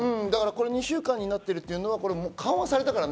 ２週間になってるっていうのは緩和されたからね。